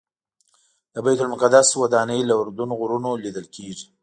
د بیت المقدس ودانۍ له اردن غرونو لیدل کېږي.